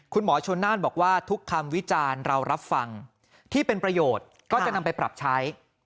คุณหมอชนน่านบอกว่าทุกคำวิจารณ์เรารับฟังที่เป็นประโยชน์ก็จะนำไปปรับใช้